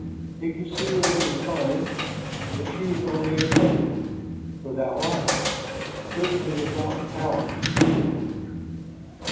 He could see her in his mind, but she was only a puppet, without life, certainly without power.